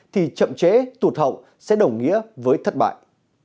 thì chậm chế tụt hậu sẽ đồng nghĩa với thất bại